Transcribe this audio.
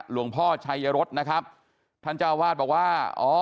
หลวงพ่อชัยรสนะครับท่านเจ้าวาดบอกว่าอ๋อ